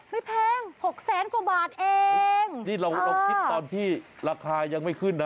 แพงหกแสนกว่าบาทเองนี่เราเราคิดตอนที่ราคายังไม่ขึ้นนะ